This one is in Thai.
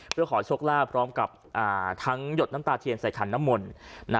เพื่อขอโชคลาภพร้อมกับทั้งหยดน้ำตาเทียนใส่ขันน้ำมนต์